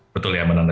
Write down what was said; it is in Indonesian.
betul ya mbak nana